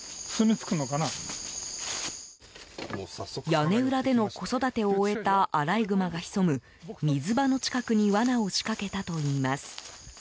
屋根裏での子育てを終えたアライグマが潜む、水場の近くに罠を仕掛けたといいます。